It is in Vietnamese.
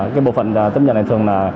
cái bộ phận tiếp nhận này thường là